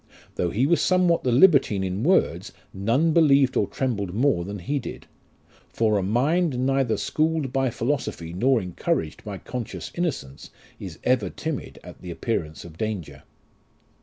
Though he was somewhat the libertine in words, none believed or trembled more than he did ; for a mind neither schooled by philosophy nor encouraged by conscious innocence, is ever timid at the appearance of danger.